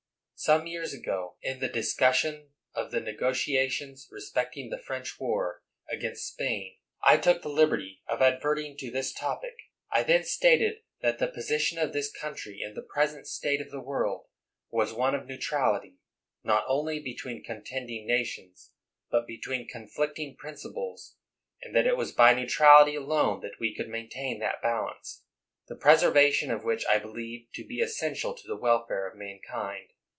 Some years ago, in the discussion of the ne gotiations respecting the French war against Spain, I took the liberty of adverting to this topic. I then stated that the position of this country in the present state of the world was one of neutrality, not only between contending nations, but between conflicting principles; and that it was by neutrality alone that we could maintain that balance, the preservation of which I believed to be essential to the welfare of man kind.